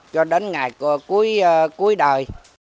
cho đến ngày cuối đời